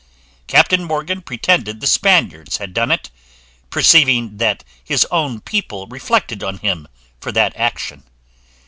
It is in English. Captain Morgan pretended the Spaniards had done it, perceiving that his own people reflected on him for that action.